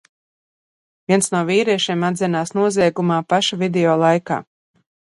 Viens no vīriešiem atzinās noziegumā paša video laikā.